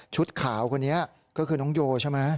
ขาวคนนี้ก็คือน้องโยใช่ไหม